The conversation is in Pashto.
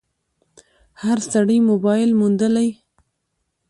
هر سړي موبایل موندلی